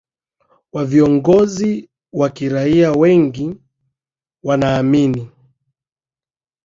wa viongozi wa kiraia wengi wanaamini